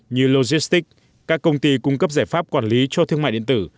như logistics các công ty cung cấp giải pháp quản lý cho thương mại điện tử